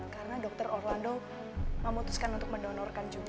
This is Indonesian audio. karena dokter orlando memutuskan untuk mendonorkan juga